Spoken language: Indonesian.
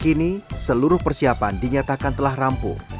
kini seluruh persiapan dinyatakan telah rampung